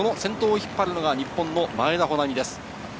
引っ張るのが日本の前田穂南です。